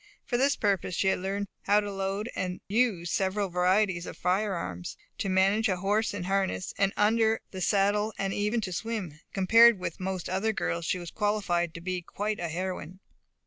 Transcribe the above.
For this purpose she had learned how to load and use the several varieties of firearms to manage a horse in harness and under the saddle and even to swim. Compared with most other girls she was qualified to be quite a heroine.